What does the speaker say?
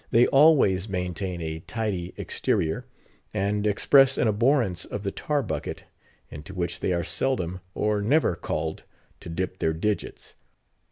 They always maintain a tidy exterior; and express an abhorrence of the tar bucket, into which they are seldom or never called to dip their digits.